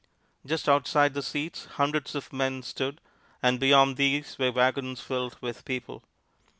Just outside the seats hundred of men stood, and beyond these were wagons filled with people.